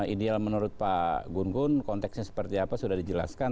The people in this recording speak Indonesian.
ideal menurut pak gun gun konteksnya seperti apa sudah dijelaskan